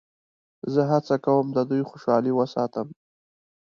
زه هڅه کوم د دوی خوشحالي وساتم.